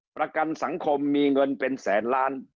ประกันสังคมมีเงินเป็นแสนล้าน